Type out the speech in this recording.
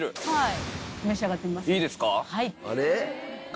はい。